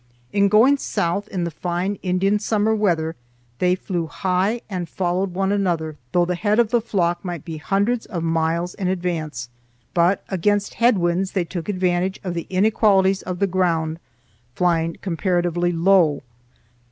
In going south in the fine Indian summer weather they flew high and followed one another, though the head of the flock might be hundreds of miles in advance. But against head winds they took advantage of the inequalities of the ground, flying comparatively low.